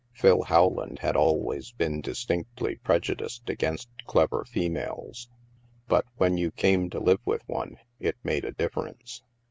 Phil Howland had always been distinctly prejudiced against clever females; but, when you came to live with one, it made a difference.